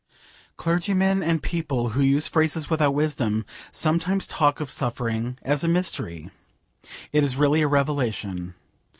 Clergymen and people who use phrases without wisdom sometimes talk of suffering as a mystery. It is really a revelation.